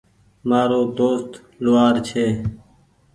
مآرو دوست لوهآر ڇي۔